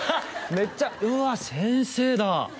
めっちゃうわ先生だ